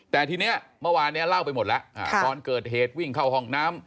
แต่ทีนี้เมื่อวานนี้เล่าไปหมดแล้วตอนเกิดเหตุวิ่งเข้าห้องน้ำ